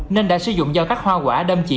nên đã sử dụng do các hoa quả đâm chỉ